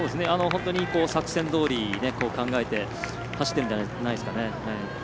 作戦どおりに考えて走っているんじゃないですかね。